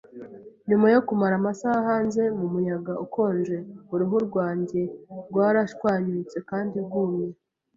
Nyuma yo kumara amasaha hanze mumuyaga ukonje, uruhu rwanjye rwarashwanyutse kandi rwumye.